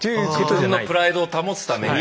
自分のプライドを保つために。